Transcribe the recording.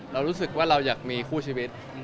เรารู้สึกว่าเราอยากมีคู่ชีวิต